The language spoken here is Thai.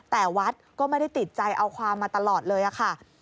แต่วัดก็ไม่ได้ติดใจเอาความมาตลอดเลยค่ะ